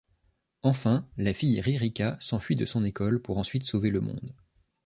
Enfin, la fille Ririka s'enfuit de son école pour ensuite sauver le monde.